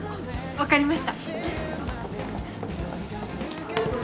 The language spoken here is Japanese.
分かりました